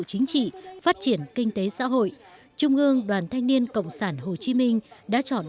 chính trị phát triển kinh tế xã hội trung ương đoàn thanh niên cộng sản hồ chí minh đã chọn